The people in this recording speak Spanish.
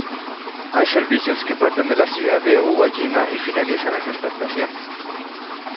Hay servicios que parten de la Ciudad de Uwajima y finalizan en esta estación.